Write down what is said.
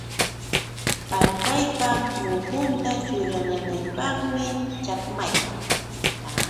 Paltaypa muhunta churananapqmi chakmayan.